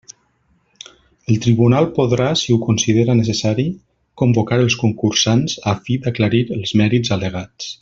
El tribunal podrà, si ho considera necessari, convocar els concursants, a fi d'aclarir els mèrits al·legats.